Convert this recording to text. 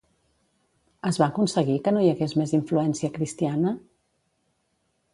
Es va aconseguir que no hi hagués més influència cristiana?